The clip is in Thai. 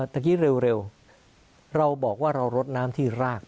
เมื่อกี้เร็วเราบอกว่าเรารดน้ำที่ราก